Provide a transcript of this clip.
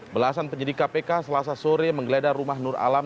belasan penyidik kpk selasa sore menggeledah rumah nur alam